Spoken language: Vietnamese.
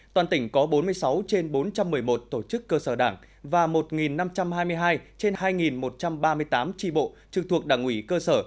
toàn tỉnh có bốn mươi sáu trên bốn trăm một mươi một tổ chức cơ sở đảng và một năm trăm hai mươi hai trên hai một trăm ba mươi tám tri bộ trực thuộc đảng ủy cơ sở